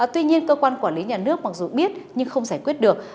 tuy nhiên cơ quan quản lý nhà nước mặc dù biết nhưng không giải quyết được